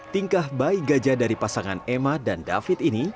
tingkah bayi gajah dari pasangan emma dan david ini